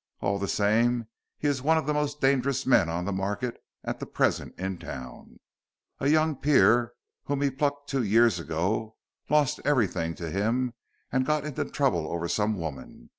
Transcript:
All the same he is one of the most dangerous men on the market at the present in town. A young peer whom he plucked two years ago lost everything to him, and got into trouble over some woman.